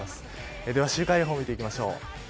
では週間予報を見ていきましょう。